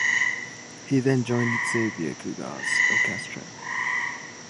He then joined Xavier Cugat's orchestra.